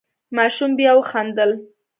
ماشوم بیا وخندل.